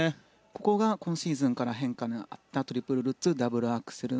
ここが今シーズンから変化があったトリプルルッツダブルアクセル。